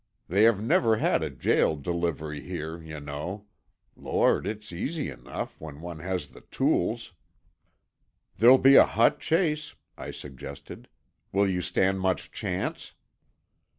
They have never had a jail delivery here, you know. Lord, it's easy though, when one has the tools." "There'll be a hot chase," I suggested. "Will you stand much chance."